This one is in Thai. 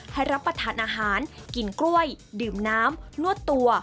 รับประทานอาหารกินกล้วยดื่มน้ำนวดตัว